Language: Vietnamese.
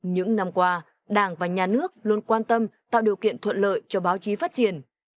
những năm qua đảng và nhà nước luôn quan tâm tạo điều kiện thuận lợi cho báo chí phát triển